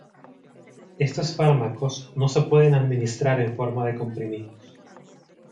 Estos fármacos no se pueden administrar en forma de comprimidos.